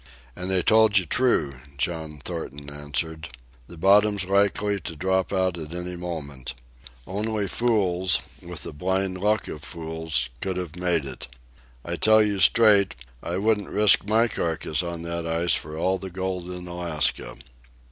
"And they told you true," John Thornton answered. "The bottom's likely to drop out at any moment. Only fools, with the blind luck of fools, could have made it. I tell you straight, I wouldn't risk my carcass on that ice for all the gold in Alaska."